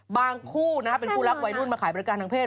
บางคู่นะครับเป็นคู่รักวัยนู่นมาขายบริการทางเพศ